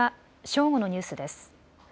正午のニュースです。